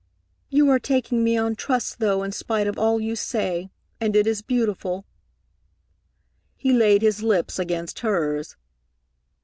"You are taking me on trust, though, in spite of all you say, and it is beautiful." He laid his lips against hers.